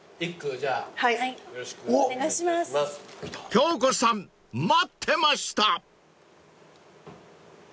［京子さん待ってました！］